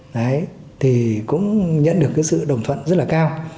đấy thì cũng nhận được cái sự đồng thuận rất là cao